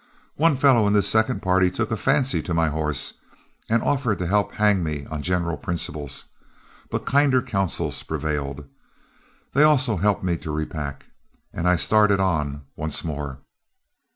One fellow in this second party took a fancy to my horse, and offered to help hang me on general principles, but kinder counsels prevailed. They also helped me to repack, and I started on once more.